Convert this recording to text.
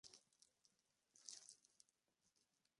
Por eso volvió a cambiar de bando.